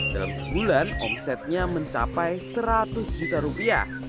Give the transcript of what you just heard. dalam sebulan omsetnya mencapai seratus juta rupiah